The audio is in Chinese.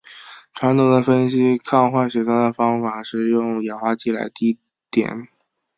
传统的分析抗坏血酸的方法是用氧化剂来滴定。